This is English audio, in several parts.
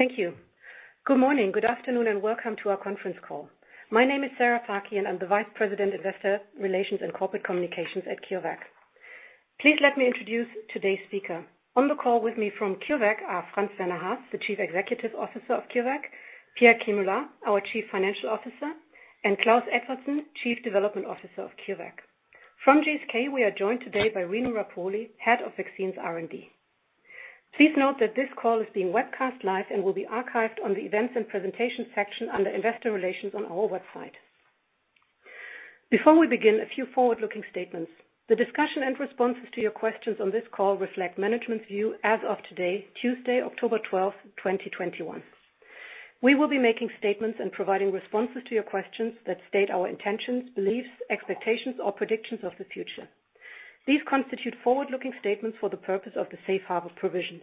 Thank you. Good morning, good afternoon, and welcome to our conference call. My name is Sarah Fakih, and I'm the Vice President, Investor Relations and Corporate Communications at CureVac. Please let me introduce today's speaker. On the call with me from CureVac are Franz-Werner Haas, the Chief Executive Officer of CureVac, Pierre Kemula, our Chief Financial Officer, and Klaus Edvardsen, Chief Development Officer of CureVac. From GSK, we are joined today by Rino Rappuoli, Head of Vaccines R&D. Please note that this call is being webcast live and will be archived on the Events and Presentation section under Investor Relations on our website. Before we begin, a few forward-looking statements. The discussion and responses to your questions on this call reflect management's view as of today, Tuesday, October 12th, 2021. We will be making statements and providing responses to your questions that state our intentions, beliefs, expectations, or predictions of the future. These constitute forward-looking statements for the purpose of the safe harbor provisions.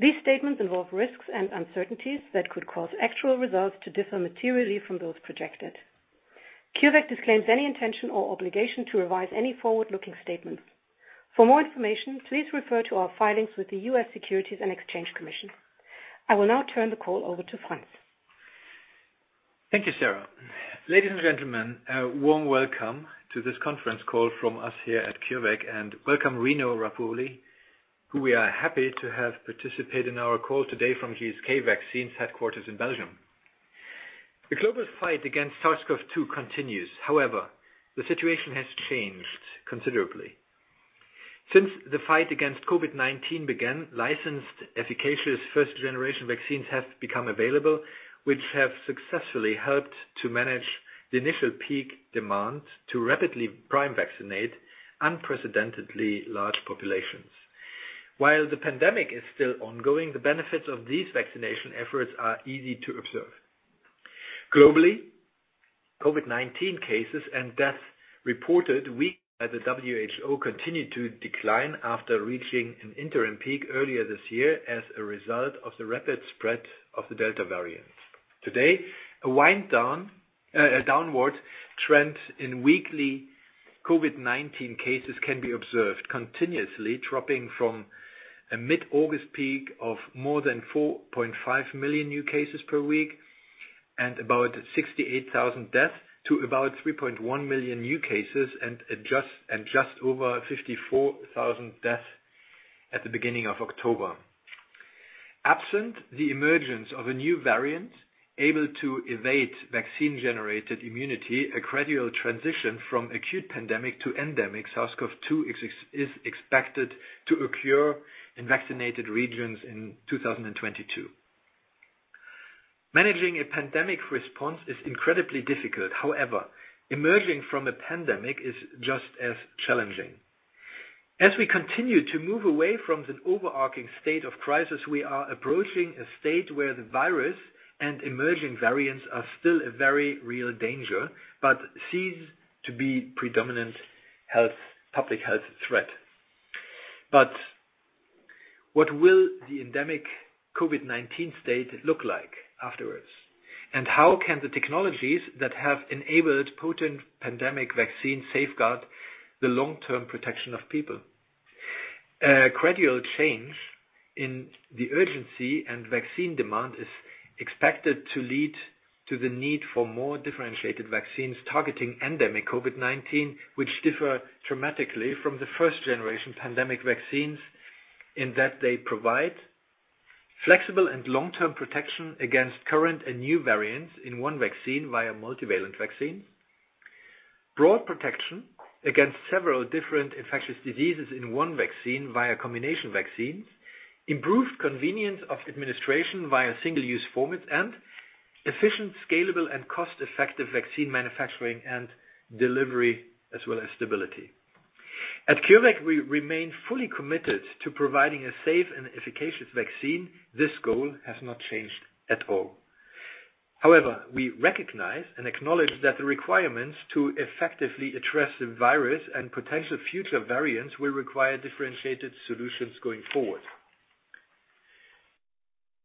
These statements involve risks and uncertainties that could cause actual results to differ materially from those projected. CureVac disclaims any intention or obligation to revise any forward-looking statements. For more information, please refer to our filings with the U.S. Securities and Exchange Commission. I will now turn the call over to Franz. Thank you, Sarah. Ladies and gentlemen, a warm welcome to this conference call from us here at CureVac, and welcome, Rino Rappuoli, who we are happy to have participate in our call today from GSK Vaccines' headquarters in Belgium. The global fight against SARS-CoV-2 continues. However, the situation has changed considerably. Since the fight against COVID-19 began, licensed, efficacious first-generation vaccines have become available, which have successfully helped to manage the initial peak demand to rapidly prime vaccinate unprecedentedly large populations. While the pandemic is still ongoing, the benefits of these vaccination efforts are easy to observe. Globally, COVID-19 cases and deaths reported weekly by the WHO continued to decline after reaching an interim peak earlier this year as a result of the rapid spread of the Delta variant. Today, a downward trend in weekly COVID-19 cases can be observed continuously, dropping from a mid-August peak of more than 4.5 million new cases per week and about 68,000 deaths to about 3.1 million new cases and just over 54,000 deaths at the beginning of October. Absent the emergence of a new variant able to evade vaccine-generated immunity, a gradual transition from acute pandemic to endemic SARS-CoV-2 is expected to occur in vaccinated regions in 2022. Managing a pandemic response is incredibly difficult. However, emerging from a pandemic is just as challenging. As we continue to move away from the overarching state of crisis, we are approaching a state where the virus and emerging variants are still a very real danger, but cease to be predominant public health threat. What will the endemic COVID-19 state look like afterwards? How can the technologies that have enabled potent pandemic vaccines safeguard the long-term protection of people? A gradual change in the urgency and vaccine demand is expected to lead to the need for more differentiated vaccines targeting endemic COVID-19, which differ dramatically from the first-generation pandemic vaccines in that they provide flexible and long-term protection against current and new variants in one vaccine via multivalent vaccines, broad protection against several different infectious diseases in one vaccine via combination vaccines, improved convenience of administration via single-use formats, and efficient, scalable, and cost-effective vaccine manufacturing and delivery, as well as stability. At CureVac, we remain fully committed to providing a safe and efficacious vaccine. This goal has not changed at all. However, we recognize and acknowledge that the requirements to effectively address the virus and potential future variants will require differentiated solutions going forward.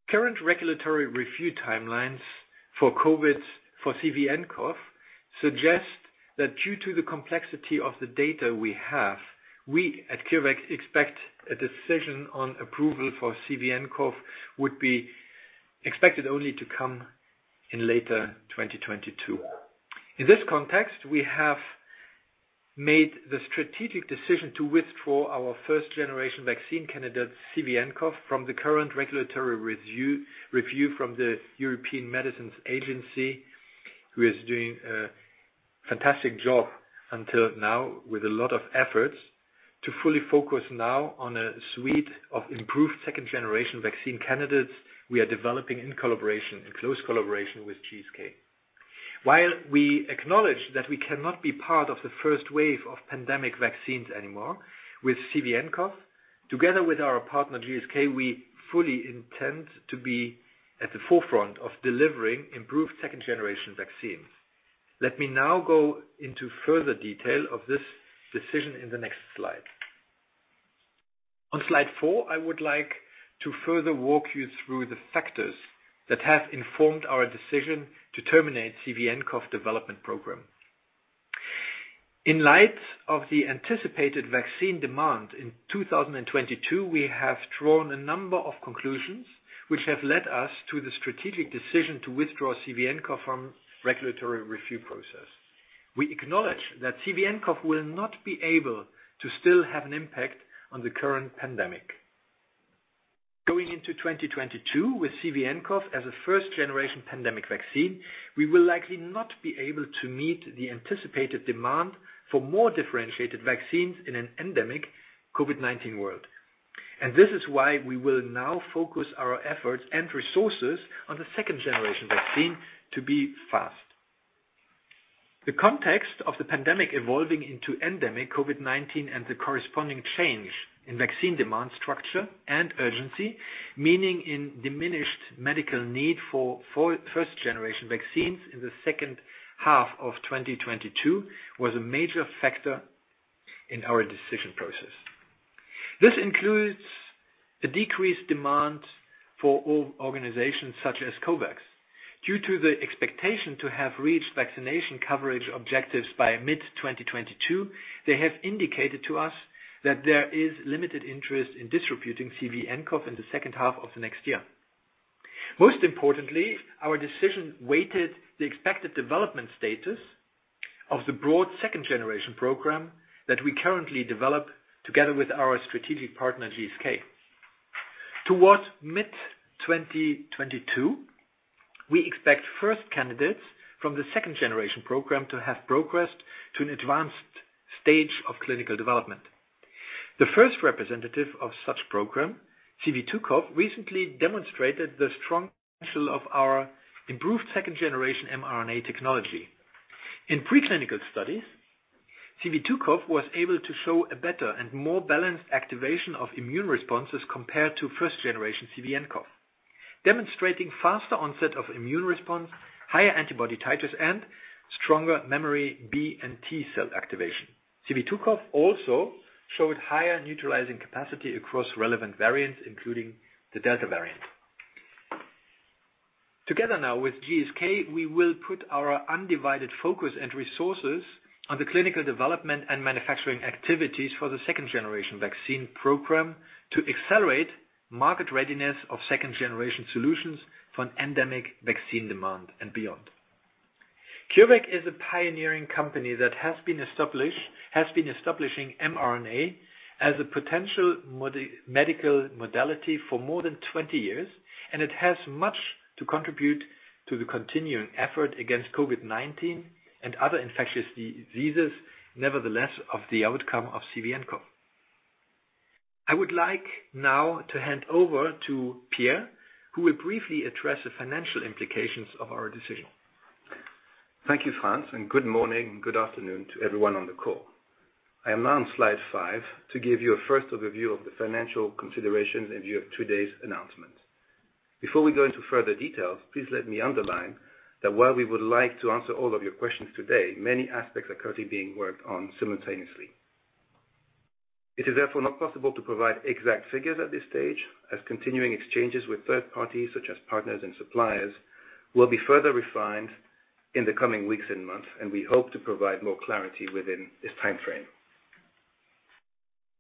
Current regulatory review timelines for CVnCoV suggest that due to the complexity of the data we have, we at CureVac expect a decision on approval for CVnCoV would be expected only to come in later 2022. In this context, we have made the strategic decision to withdraw our first-generation vaccine candidate, CVnCoV, from the current regulatory review from the European Medicines Agency, who is doing a fantastic job until now with a lot of efforts, to fully focus now on a suite of improved second-generation vaccine candidates we are developing in close collaboration with GSK. While we acknowledge that we cannot be part of the first wave of pandemic vaccines anymore with CVnCoV, together with our partner, GSK, we fully intend to be at the forefront of delivering improved second-generation vaccines. Let me now go into further detail of this decision in the next slide. On slide four, I would like to further walk you through the factors that have informed our decision to terminate CVnCoV development program. In light of the anticipated vaccine demand in 2022, we have drawn a number of conclusions which have led us to the strategic decision to withdraw CVnCoV from regulatory review process. We acknowledge that CVnCoV will not be able to still have an impact on the current pandemic. Going into 2022 with CVnCoV as a first-generation pandemic vaccine, we will likely not be able to meet the anticipated demand for more differentiated vaccines in an endemic COVID-19 world. This is why we will now focus our efforts and resources on the second-generation vaccine to be fast. The context of the pandemic evolving into endemic COVID-19 and the corresponding change in vaccine demand structure and urgency, meaning in diminished medical need for first-generation vaccines in the second half of 2022, was a major factor in our decision process. This includes a decreased demand for organizations such as COVAX. Due to the expectation to have reached vaccination coverage objectives by mid-2022, they have indicated to us that there is limited interest in distributing CVnCoV in the second half of the next year. Most importantly, our decision weighted the expected development status of the broad second-generation program that we currently develop together with our strategic partner, GSK. Towards mid-2022, we expect first candidates from the second-generation program to have progressed to an advanced stage of clinical development. The first representative of such program, CV2CoV, recently demonstrated the strong potential of our improved second-generation mRNA technology. In preclinical studies, CV2CoV was able to show a better and more balanced activation of immune responses compared to first generation CVnCoV, demonstrating faster onset of immune response, higher antibody titers, and stronger memory B and T cell activation. CV2CoV also showed higher neutralizing capacity across relevant variants, including the Delta variant. Together now with GSK, we will put our undivided focus and resources on the clinical development and manufacturing activities for the second generation vaccine program to accelerate market readiness of second generation solutions for an endemic vaccine demand and beyond. CureVac is a pioneering company that has been establishing mRNA as a potential medical modality for more than 20 years, it has much to contribute to the continuing effort against COVID-19 and other infectious diseases, nevertheless, of the outcome of CVnCoV. I would like now to hand over to Pierre, who will briefly address the financial implications of our decision. Thank you, Franz, and good morning and good afternoon to everyone on the call. I am now on slide five to give you a first overview of the financial considerations in view of today's announcements. Before we go into further details, please let me underline that while we would like to answer all of your questions today, many aspects are currently being worked on simultaneously. It is therefore not possible to provide exact figures at this stage, as continuing exchanges with third parties, such as partners and suppliers, will be further refined in the coming weeks and months, and we hope to provide more clarity within this time frame.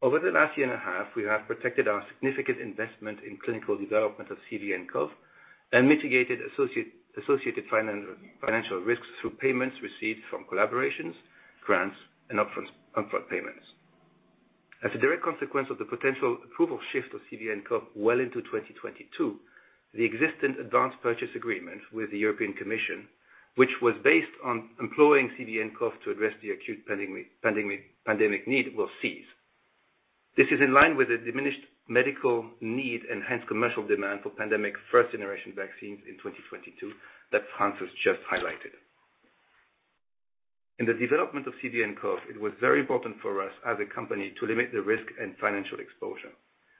Over the last year and a half, we have protected our significant investment in clinical development of CVnCoV and mitigated associated financial risks through payments received from collaborations, grants, and upfront payments. As a direct consequence of the potential approval shift of CVnCoV well into 2022, the existing advanced purchase agreement with the European Commission, which was based on employing CVnCoV to address the acute pandemic need, will cease. This is in line with a diminished medical need, enhanced commercial demand for pandemic first generation vaccines in 2022 that Franz has just highlighted. In the development of CVnCoV, it was very important for us as a company to limit the risk and financial exposure.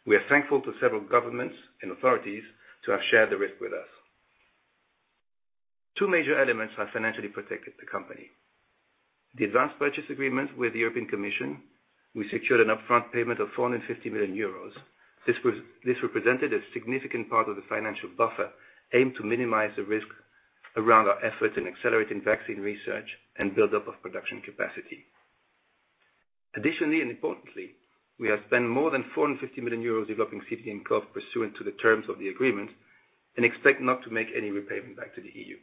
We are thankful to several governments and authorities to have shared the risk with us. Two major elements have financially protected the company. The advanced purchase agreement with the European Commission, we secured an upfront payment of 450 million euros. This represented a significant part of the financial buffer aimed to minimize the risk around our efforts in accelerating vaccine research and build-up of production capacity. Additionally, and importantly, we have spent more than 450 million euros developing CVnCoV pursuant to the terms of the agreement, and expect not to make any repayment back to the EU.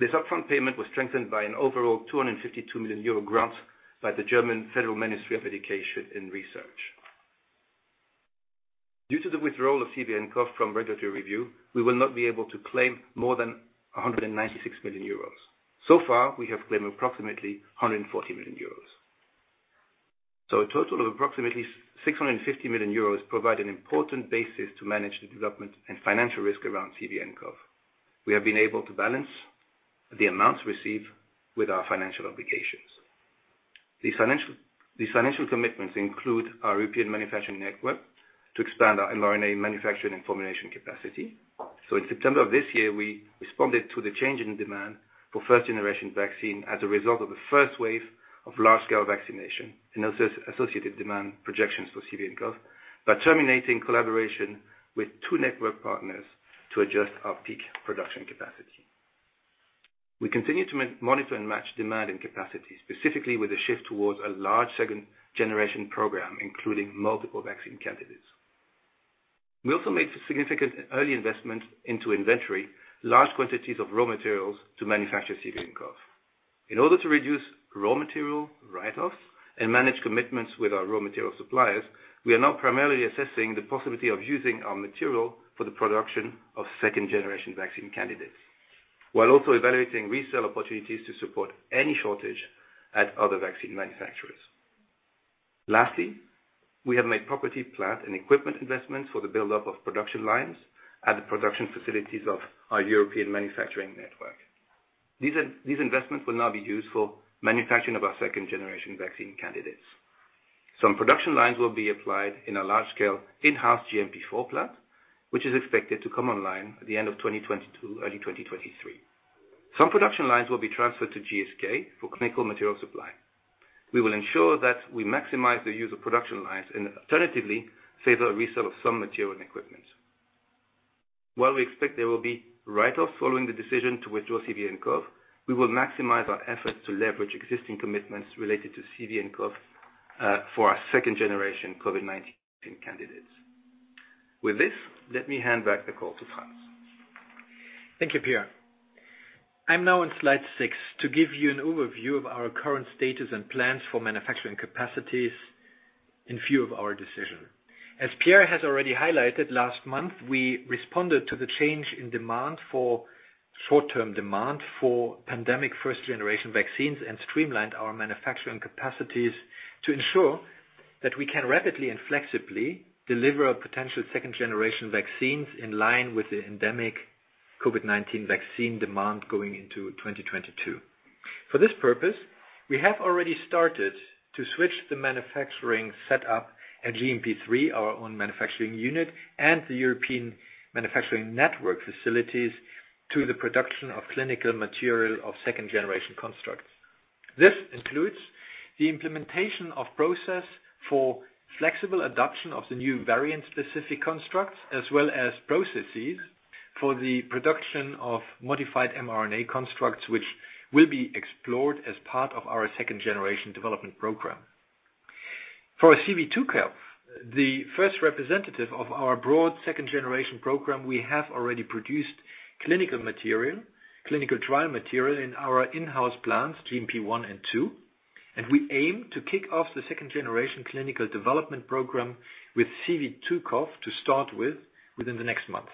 This upfront payment was strengthened by an overall 252 million euro grant by the German Federal Ministry of Education and Research. Due to the withdrawal of CVnCoV from regulatory review, we will not be able to claim more than 196 million euros. So far, we have claimed approximately 140 million euros. A total of approximately 650 million euros provide an important basis to manage the development and financial risk around CVnCoV. We have been able to balance the amounts received with our financial obligations. The financial commitments include our European manufacturing network to expand our mRNA manufacturing and formulation capacity. In September of this year, we responded to the change in demand for first-generation vaccine as a result of the first wave of large-scale vaccination and associated demand projections for CVnCoV by terminating collaboration with two network partners to adjust our peak production capacity. We continue to monitor and match demand and capacity, specifically with a shift towards a large second-generation program, including multiple vaccine candidates. We also made significant early investments into inventory, large quantities of raw materials to manufacture CVnCoV. In order to reduce raw material write-offs and manage commitments with our raw material suppliers, we are now primarily assessing the possibility of using our material for the production of second-generation vaccine candidates, while also evaluating resale opportunities to support any shortage at other vaccine manufacturers. Lastly, we have made property, plant, and equipment investments for the buildup of production lines at the production facilities of our European manufacturing network. These investments will now be used for manufacturing of our second-generation vaccine candidates. Some production lines will be applied in a large-scale in-house GMP IV plant, which is expected to come online at the end of 2022, early 2023. Some production lines will be transferred to GSK for clinical material supply. We will ensure that we maximize the use of production lines and alternatively favor a resale of some material and equipment. While we expect there will be write-off following the decision to withdraw CVnCoV, we will maximize our efforts to leverage existing commitments related to CVnCoV, for our second-generation COVID-19 candidates. With this, let me hand back the call to Franz. Thank you, Pierre. I am now on slide six to give you an overview of our current status and plans for manufacturing capacities in view of our decision. As Pierre has already highlighted, last month, we responded to the change in short-term demand for pandemic first-generation vaccines and streamlined our manufacturing capacities to ensure that we can rapidly and flexibly deliver potential second-generation vaccines in line with the endemic COVID-19 vaccine demand going into 2022. For this purpose, we have already started to switch the manufacturing setup at GMP III, our own manufacturing unit, and the European manufacturing network facilities to the production of clinical material of second-generation constructs. This includes the implementation of process for flexible adoption of the new variant-specific constructs, as well as processes for the production of modified mRNA constructs, which will be explored as part of our second-generation development program. For CV2CoV, the first representative of our broad second-generation program, we have already produced clinical trial material in our in-house plants, GMP I and II, and we aim to kick off the second-generation clinical development program with CV2CoV to start with within the next month.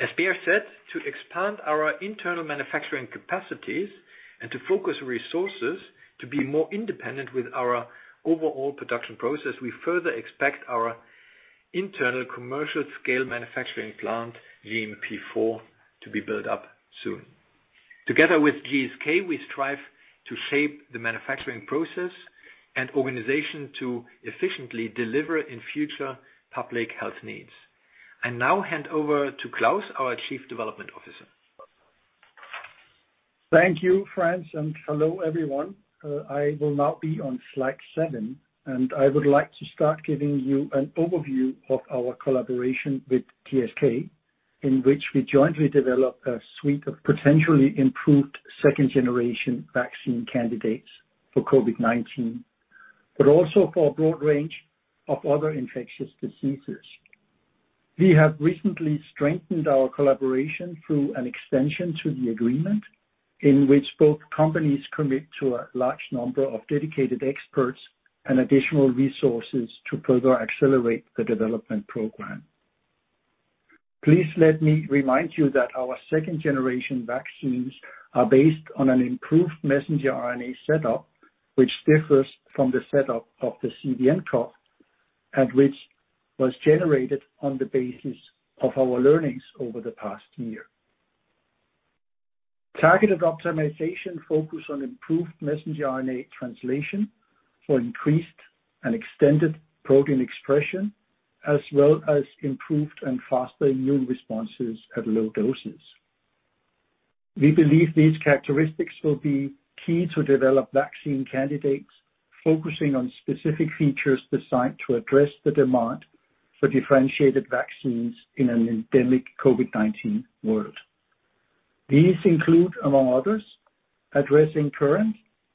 As Pierre said, to expand our internal manufacturing capacities and to focus resources to be more independent with our overall production process, we further expect our internal commercial scale manufacturing plant, GMP IV, to be built up soon. Together with GSK, we strive to shape the manufacturing process and organization to efficiently deliver in future public health needs. I now hand over to Klaus, our Chief Development Officer. Thank you, Franz, and hello, everyone. I will now be on slide seven, and I would like to start giving you an overview of our collaboration with GSK, in which we jointly developed a suite of potentially improved second-generation vaccine candidates for COVID-19, but also for a broad range of other infectious diseases. We have recently strengthened our collaboration through an extension to the agreement in which both companies commit to a large number of dedicated experts and additional resources to further accelerate the development program. Please let me remind you that our second-generation vaccines are based on an improved messenger RNA setup, which differs from the setup of the CVnCoV, and which was generated on the basis of our learnings over the past year. Targeted optimization focus on improved messenger RNA translation for increased and extended protein expression, as well as improved and faster immune responses at low doses. We believe these characteristics will be key to develop vaccine candidates focusing on specific features designed to address the demand for differentiated vaccines in an endemic COVID-19 world. These include, among others, addressing current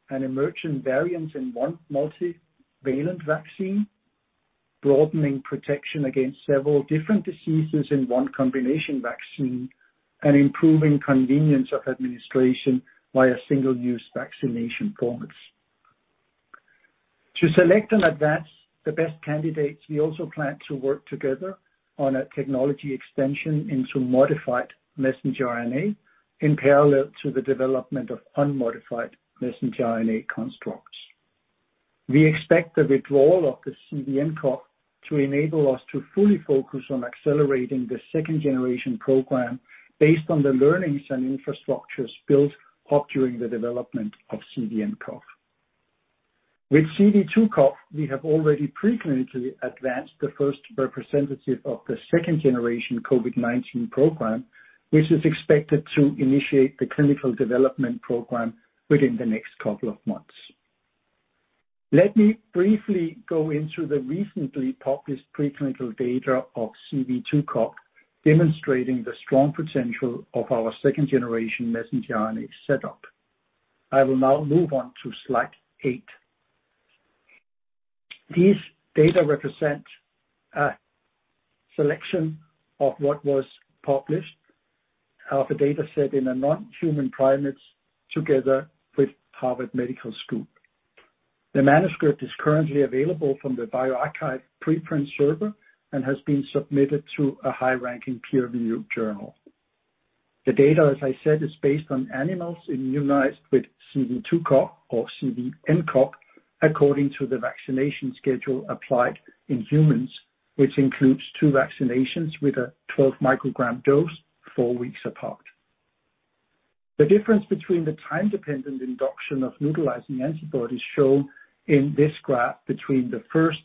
and emerging variants in one multivalent vaccine, broadening protection against several different diseases in one combination vaccine, and improving convenience of administration via single-use vaccination forms. To select and advance the best candidates, we also plan to work together on a technology extension into modified messenger RNA in parallel to the development of unmodified messenger RNA constructs. We expect the withdrawal of the CVnCoV to enable us to fully focus on accelerating the second-generation program based on the learnings and infrastructures built up during the development of CVnCoV. With CV2CoV, we have already preclinically advanced the first representative of the second generation COVID-19 program, which is expected to initiate the clinical development program within the next couple of months. Let me briefly go into the recently published preclinical data of CV2CoV, demonstrating the strong potential of our second generation messenger RNA setup. I will now move on to slide eight. These data represent a selection of what was published of the data set in a non-human primates, together with Harvard Medical School. The manuscript is currently available from the bioRxiv preprint server and has been submitted to a high-ranking peer review journal. The data, as I said, is based on animals immunized with CV2CoV or CVnCoV according to the vaccination schedule applied in humans, which includes two vaccinations with a 12 mcg dose four weeks apart. The difference between the time-dependent induction of neutralizing antibodies shown in this graph between the first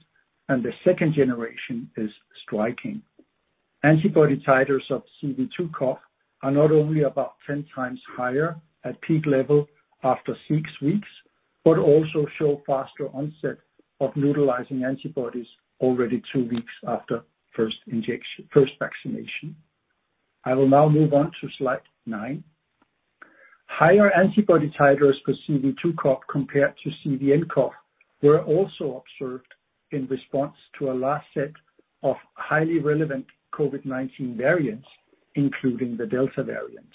and the second generation is striking. Antibody titers of CV2CoV are not only about 10 times higher at peak level after six weeks, but also show faster onset of neutralizing antibodies already two weeks after first vaccination. I will now move on to slide nine. Higher antibody titers for CV2CoV compared to CVnCoV were also observed in response to a last set of highly relevant COVID-19 variants, including the Delta variant.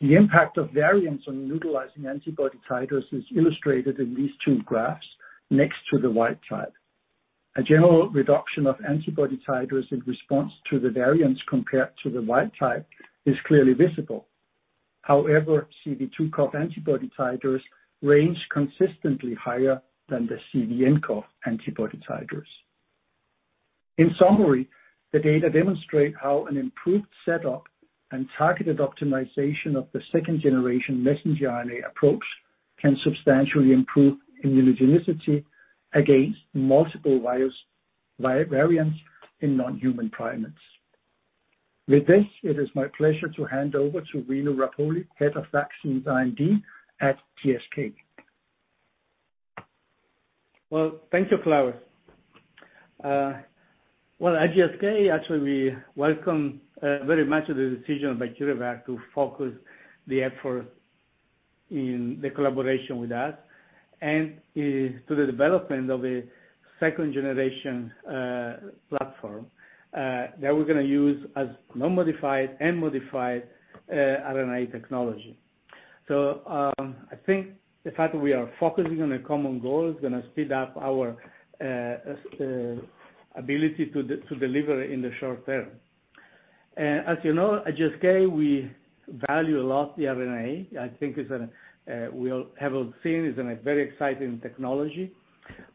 The impact of variants on neutralizing antibody titers is illustrated in these two graphs next to the wild type. A general reduction of antibody titers in response to the variants compared to the wild type is clearly visible. However, CV2CoV antibody titers range consistently higher than the CVnCoV antibody titers. In summary, the data demonstrate how an improved setup and targeted optimization of the second generation messenger RNA approach can substantially improve immunogenicity against multiple virus variants in non-human primates. With this, it is my pleasure to hand over to Rino Rappuoli, Head of Vaccines R&D at GSK. Well, thank you, Klaus. Well, at GSK, actually, we welcome very much the decision by CureVac to focus the effort in the collaboration with us and to the development of a second generation platform that we're going to use as non-modified and modified RNA technology. I think the fact that we are focusing on a common goal is going to speed up our ability to deliver in the short term. As you know, at GSK, we value a lot the RNA. I think as we all have seen, it's a very exciting technology.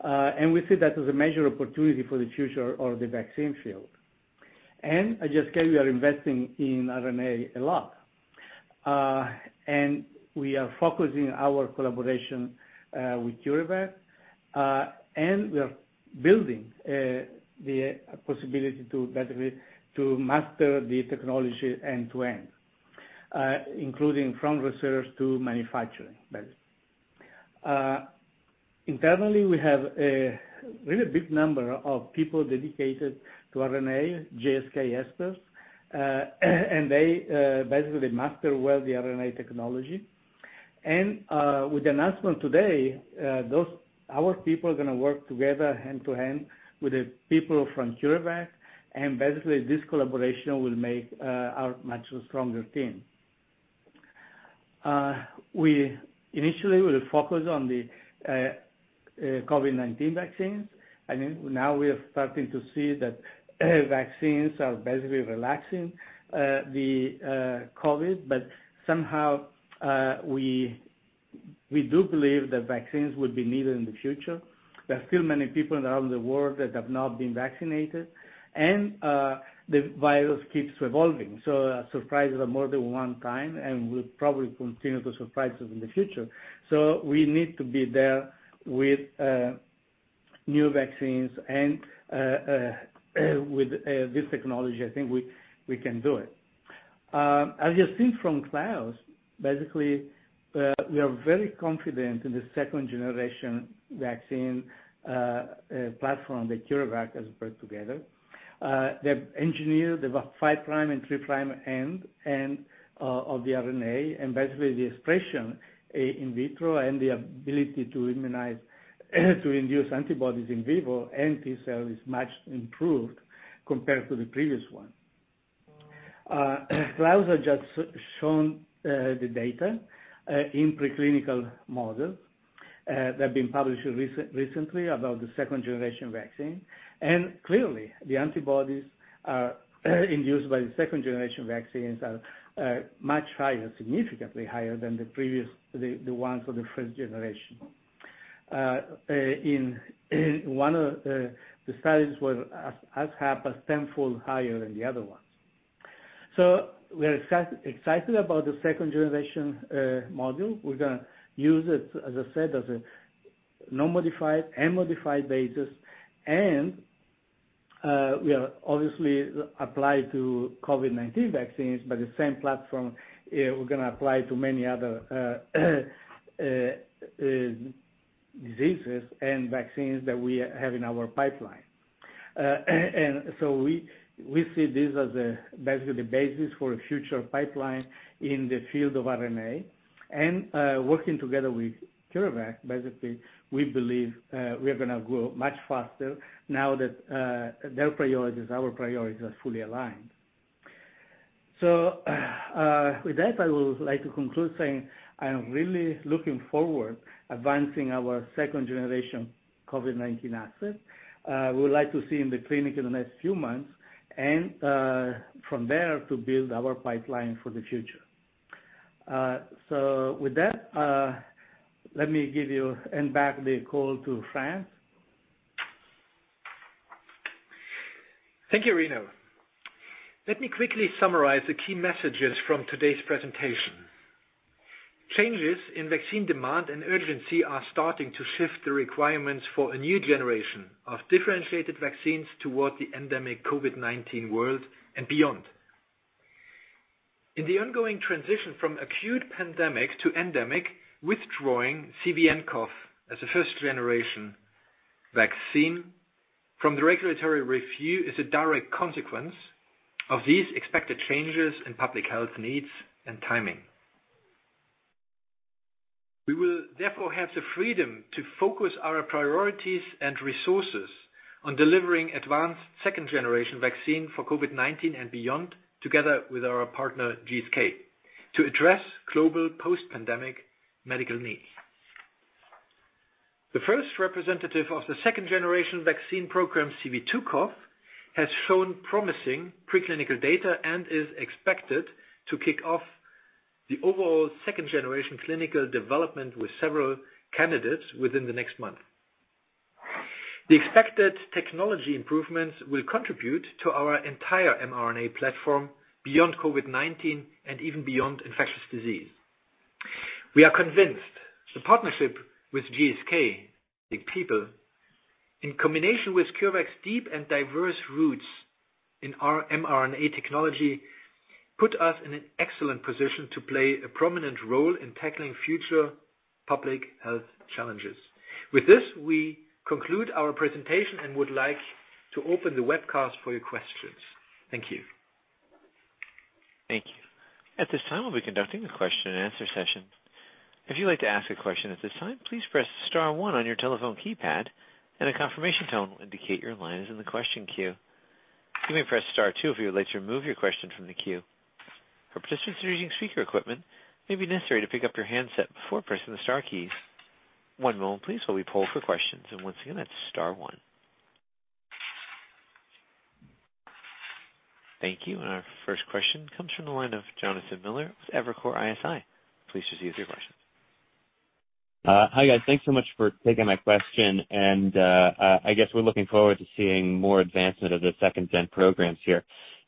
We see that as a major opportunity for the future of the vaccine field. At GSK, we are investing in RNA a lot. We are focusing our collaboration with CureVac, and we are building the possibility to master the technology end to end, including from research to manufacturing. Internally, we have a really big number of people dedicated to RNA, GSK experts, and they basically master well the RNA technology. With the announcement today, our people are going to work together hand to hand with the people from CureVac, and basically this collaboration will make our much stronger team. Initially, we focus on the COVID-19 vaccines, and now we are starting to see that vaccines are basically relaxing the COVID, but somehow we do believe that vaccines will be needed in the future. There are still many people around the world that have not been vaccinated, and the virus keeps evolving. Surprises are more than one time and will probably continue to surprise us in the future. We need to be there with new vaccines and with this technology, I think we can do it. As you've seen from Klaus, basically, we are very confident in the second-generation vaccine platform that CureVac has put together. They've engineered the 5' and 3' end of the RNA, and basically the expression in vitro and the ability to immunize, to induce antibodies in vivo and T-cell is much improved compared to the previous one. Klaus has just shown the data in preclinical models that have been published recently about the second-generation vaccine. Clearly, the antibodies induced by the second-generation vaccines are much higher, significantly higher than the ones for the first-generation. In one of the studies were as high as tenfold higher than the other ones. We are excited about the second-generation module. We're going to use it, as I said, as a non-modified and modified basis. We are obviously applied to COVID-19 vaccines, but the same platform, we are going to apply to many other diseases and vaccines that we have in our pipeline. We see this as basically the basis for a future pipeline in the field of RNA. Working together with CureVac, basically, we believe we are going to grow much faster now that their priorities, our priorities are fully aligned. With that, I would like to conclude saying I am really looking forward advancing our second-generation COVID-19 asset. We would like to see in the clinic in the next few months and, from there, to build our pipeline for the future. With that, let me give you and back the call to Franz. Thank you, Rino. Let me quickly summarize the key messages from today's presentation. Changes in vaccine demand and urgency are starting to shift the requirements for a new generation of differentiated vaccines toward the endemic COVID-19 world and beyond. In the ongoing transition from acute pandemic to endemic, withdrawing CVnCoV as a first-generation vaccine from the regulatory review is a direct consequence of these expected changes in public health needs and timing. We will therefore have the freedom to focus our priorities and resources on delivering advanced second-generation vaccine for COVID-19 and beyond, together with our partner, GSK, to address global post-pandemic medical needs. The first representative of the second-generation vaccine program, CV2CoV, has shown promising preclinical data and is expected to kick off the overall second-generation clinical development with several candidates within the next month. The expected technology improvements will contribute to our entire mRNA platform beyond COVID-19 and even beyond infectious disease. We are convinced the partnership with GSK, big people, in combination with CureVac's deep and diverse roots in our mRNA technology, put us in an excellent position to play a prominent role in tackling future public health challenges. With this, we conclude our presentation and would like to open the webcast for your questions. Thank you. Thank you. At this time, we'll be conducting a question and answer session. If you'd like to ask a question at this time, please press star one on your telephone keypad, and a confirmation tone will indicate your line is in the question queue. You may press star two if you would like to remove your question from the queue. For participants who are using speaker equipment, it may be necessary to pick up your handset before pressing the star keys. One moment, please, while we poll for questions, and once again, that's star one. Thank you. Our first question comes from the line of Jonathan Miller with Evercore ISI. Please proceed with your question. Hi, guys. Thanks so much for taking my question. I guess we're looking forward to seeing more advancement of the second-gen programs here.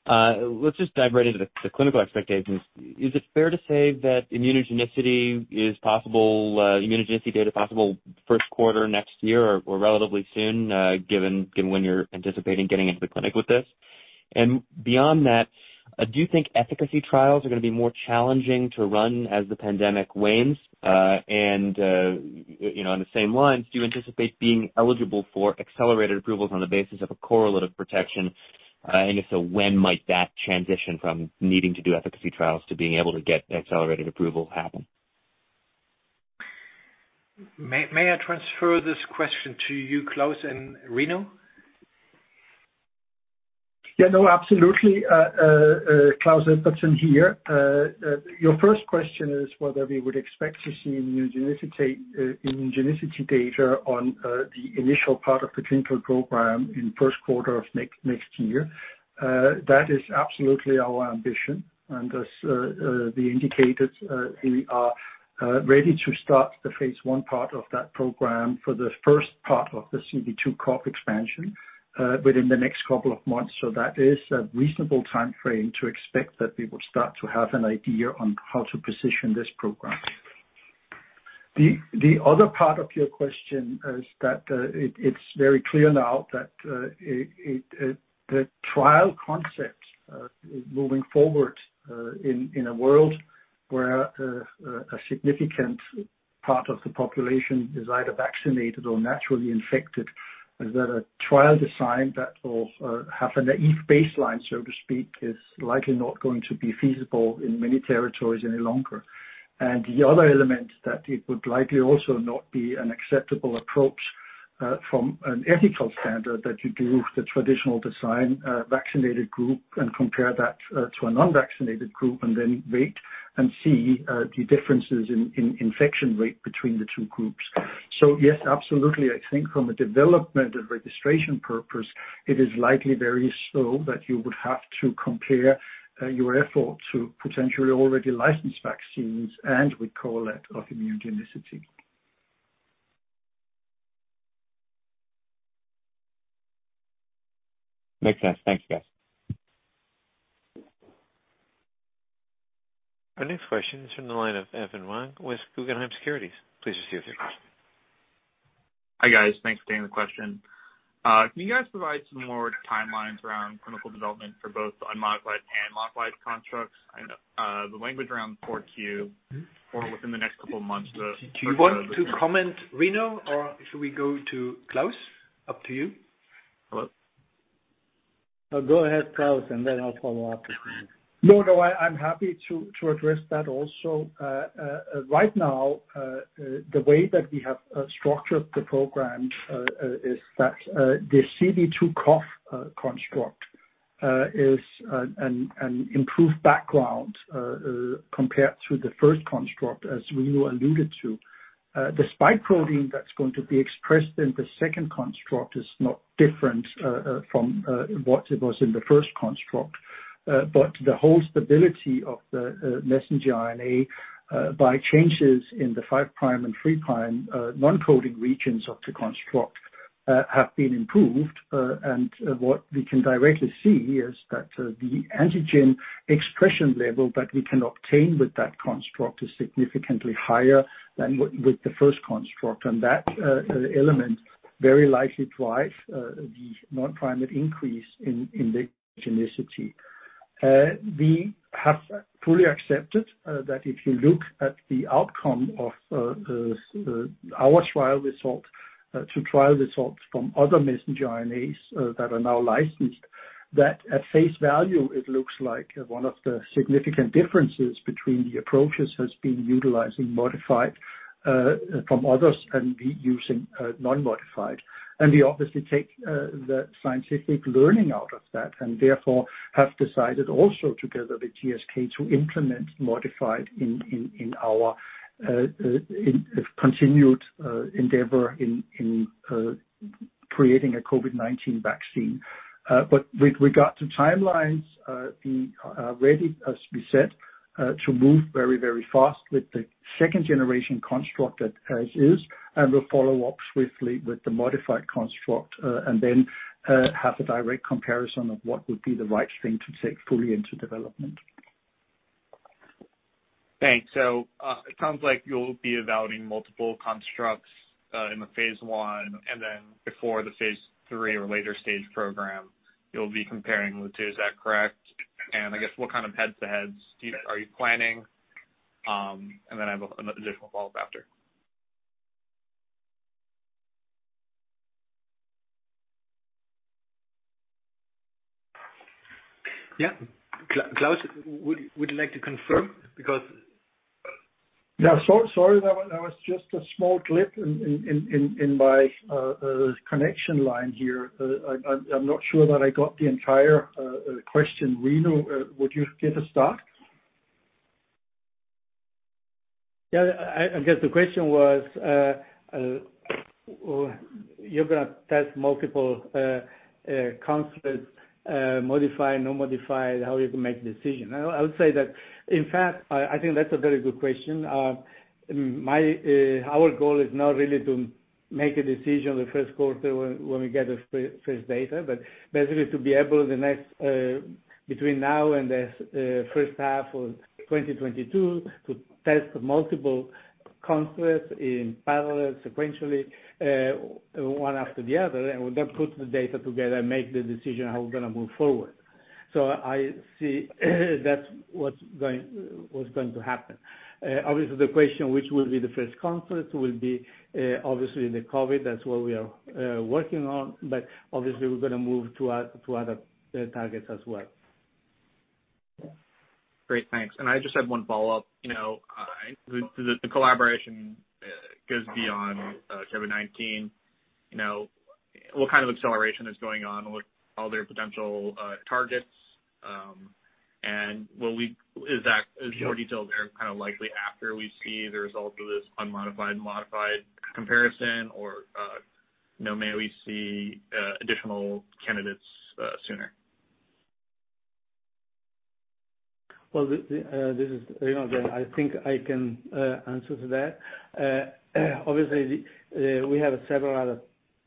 Let's just dive right into the clinical expectations. Is it fair to say that immunogenicity data possible first quarter next year or relatively soon, given when you're anticipating getting into the clinic with this? Beyond that, do you think efficacy trials are going to be more challenging to run as the pandemic wanes? On the same lines, do you anticipate being eligible for accelerated approvals on the basis of a correlate of protection? If so, when might that transition from needing to do efficacy trials to being able to get accelerated approval happen? May I transfer this question to you, Klaus and Rino? No, absolutely. Klaus Edvardsen here. Your first question is whether we would expect to see immunogenicity data on the initial part of the clinical program in first quarter of next year. That is absolutely our ambition. As we indicated, we are ready to start the phase I part of that program for the first part of the CV2CoV expansion within the next couple of months. That is a reasonable timeframe to expect that we will start to have an idea on how to position this program. The other part of your question is that it's very clear now that the trial concept, moving forward in a world where a significant part of the population is either vaccinated or naturally infected, is that a trial design that will have a naive baseline, so to speak, is likely not going to be feasible in many territories any longer. The other element that it would likely also not be an acceptable approach, from an ethical standard, that you do the traditional design vaccinated group and compare that to a non-vaccinated group and then wait and see the differences in infection rate between the two groups. Yes, absolutely. I think from a development and registration purpose, it is likely very slow that you would have to compare your effort to potentially already licensed vaccines and with correlate of immunogenicity. Makes sense. Thanks, guys. Our next question is from the line of Evan Wang with Guggenheim Securities. Please proceed with your question. Hi, guys. Thanks for taking the question. Can you guys provide some more timelines around clinical development for both unmodified and modified constructs? I know the language around 4Q or within the next couple of months. Do you want to comment, Rino, or should we go to Klaus? Up to you. Oh, go ahead, Klaus, and then I'll follow up. No, I'm happy to address that also. Right now, the way that we have structured the program is that the CV2CoV construct is an improved background compared to the first construct, as Rino alluded to. The spike protein that's going to be expressed in the second construct is not different from what it was in the first construct. The whole stability of the messenger RNA, by changes in the five prime and three prime non-coding regions of the construct, have been improved. What we can directly see is that the antigen expression level that we can obtain with that construct is significantly higher than with the first construct. That element very likely drives the N-fold increase in immunogenicity. We have fully accepted that if you look at the outcome of our trial result to trial results from other messenger RNAs that are now licensed, that at face value, it looks like one of the significant differences between the approaches has been utilizing modified from others and we using non-modified. We obviously take the scientific learning out of that, and therefore have decided also together with GSK, to implement modified in our continued endeavor in creating a COVID-19 vaccine. With regard to timelines, we are ready, as we said, to move very fast with the second generation construct as is, and we'll follow up swiftly with the modified construct, and then have a direct comparison of what would be the right thing to take fully into development. Thanks. It sounds like you'll be evaluating multiple constructs in the phase I, and then before the phase III or later stage program, you'll be comparing the two. Is that correct? I guess what kind of head-to-heads are you planning? Then I have an additional follow-up after. Yeah. Klaus, would you like to confirm? Yeah, sorry about that. That was just a small glitch in my connection line here. I'm not sure that I got the entire question. Rino, would you care to start? Yeah. I guess the question was, you're going to test multiple constructs, modified, non-modified, how are you going to make the decision? I would say that, in fact, I think that's a very good question. Our goal is not really to make a decision the first quarter when we get the first data, but basically to be able, between now and the first half of 2022, to test multiple constructs in parallel, sequentially one after the other. We then put the data together and make the decision how we're going to move forward. I see that's what's going to happen. Obviously, the question, which will be the first construct, will be obviously the COVID. That's what we are working on. Obviously, we're going to move to other targets as well. Great. Thanks. I just had one follow-up. The collaboration goes beyond COVID-19. What kind of acceleration is going on with other potential targets? Is more detail there kind of likely after we see the result of this unmodified, modified comparison, or may we see additional candidates sooner? Well, this is Rino again. I think I can answer to that. Obviously, we have several other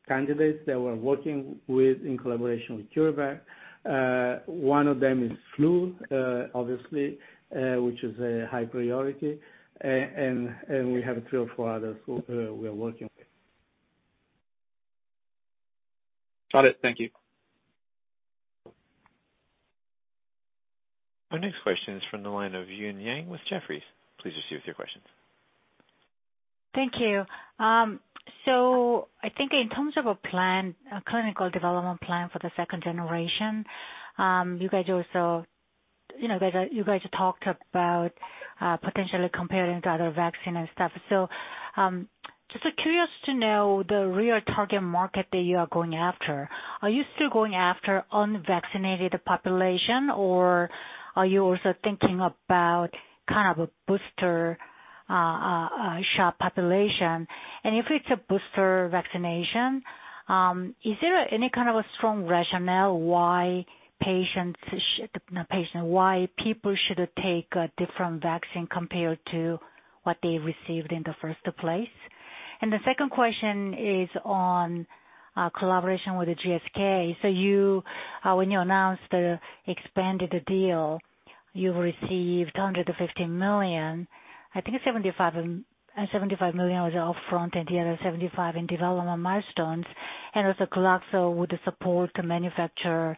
candidates that we're working with in collaboration with CureVac. One of them is flu, obviously which is a high priority. We have three or four others we are working with. Got it. Thank you. Our next question is from the line of Eun Yang with Jefferies. Please proceed with your question. Thank you. I think in terms of a plan, a clinical development plan for the second generation, you guys talked about potentially comparing to other vaccine and stuff. Just curious to know the real target market that you are going after. Are you still going after unvaccinated population, or are you also thinking about kind of a booster shot population? If it's a booster vaccination, is there any kind of a strong rationale why people should take a different vaccine compared to what they received in the first place? The second question is on collaboration with GSK. When you announced the expanded deal, you received $250 million. I think $75 million was upfront and the other $75 million in development milestones. Also Glaxo would support the manufacture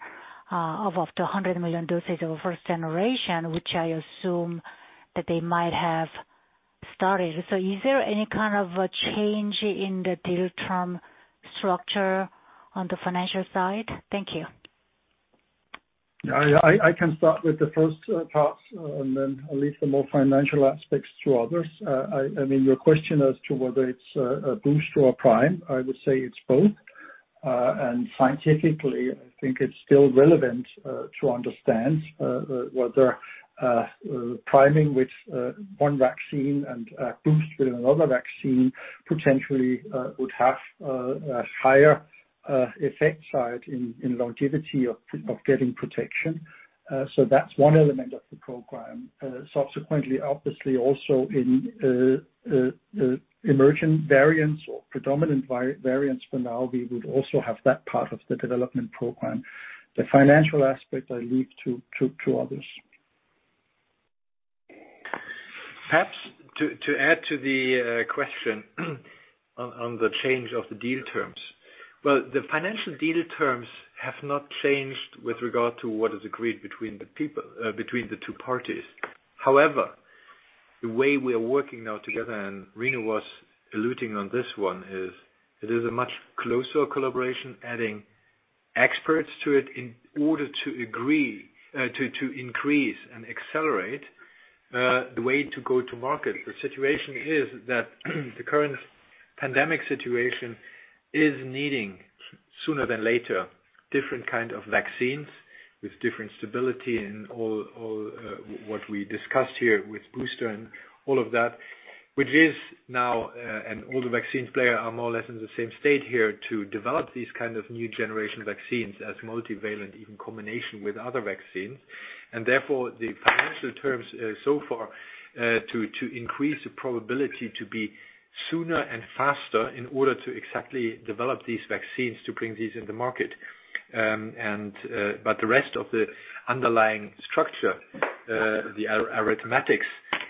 of up to 100 million doses of first generation, which I assume that they might have started. Is there any kind of a change in the deal term structure on the financial side? Thank you. I can start with the first part and then I'll leave the more financial aspects to others. I mean, your question as to whether it's a boost or a prime, I would say it's both. Scientifically, I think it's still relevant to understand whether priming with one vaccine and boost with another vaccine potentially would have a higher effect side in longevity of getting protection. That's one element of the program. Subsequently, obviously also in emergent variants or predominant variants for now, we would also have that part of the development program. The financial aspect I leave to others. Perhaps to add to the question on the change of the deal terms. Well, the financial deal terms have not changed with regard to what is agreed between the two parties. However, the way we are working now together, and Rino was alluding on this one, is it is a much closer collaboration, adding experts to it in order to increase and accelerate the way to go to market. The situation is that the current pandemic situation is needing, sooner than later, different kind of vaccines with different stability in all what we discussed here with booster and all of that. All the vaccines players are more or less in the same state here to develop these kind of new generation vaccines as multivalent, even combination with other vaccines. Therefore, the financial terms so far, to increase the probability to be sooner and faster in order to exactly develop these vaccines to bring these in the market. The rest of the underlying structure, the arithmetics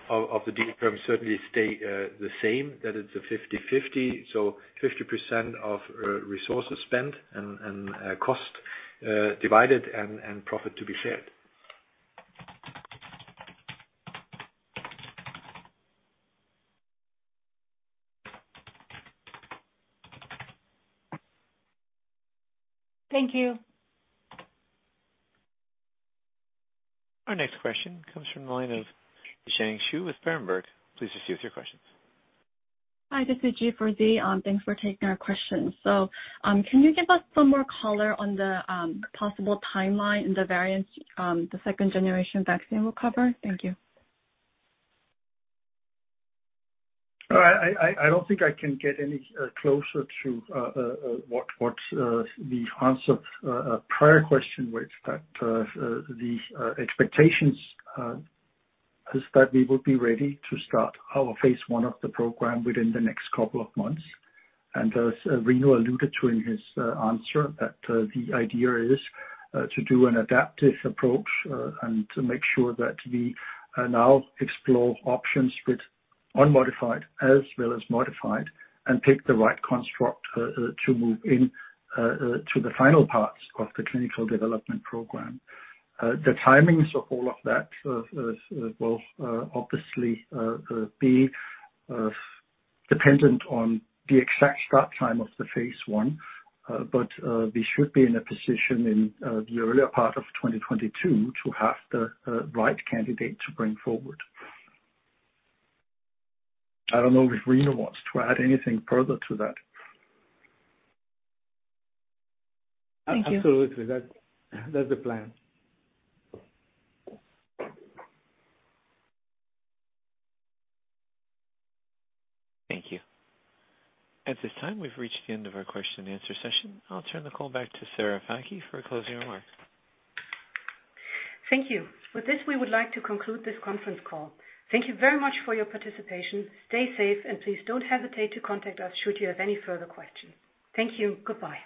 of the deal terms certainly stay the same, that it's a 50/50. 50% of resources spent and cost divided and profit to be shared. Thank you. Our next question comes from the line of Zhiqiang Shu with Berenberg. Please proceed with your questions. Hi, this is Zhiqiang Shu. Thanks for taking our questions. Can you give us some more color on the possible timeline and the variants the second-generation vaccine will cover? Thank you. I don't think I can get any closer to what the answer prior question was, that the expectations is that we would be ready to start our phase I of the program within the next couple of months. As Rino alluded to in his answer, that the idea is to do an adaptive approach and to make sure that we now explore options with unmodified as well as modified and pick the right construct to move in to the final parts of the clinical development program. The timings of all of that will obviously be dependent on the exact start time of the phase I. We should be in a position in the earlier part of 2022 to have the right candidate to bring forward. I don't know if Rino wants to add anything further to that. Thank you. Absolutely. That's the plan. Thank you. At this time, we have reached the end of our question and answer session. I will turn the call back to Sarah Fakih for closing remarks. Thank you. With this, we would like to conclude this conference call. Thank you very much for your participation. Stay safe, and please don't hesitate to contact us should you have any further questions. Thank you. Goodbye.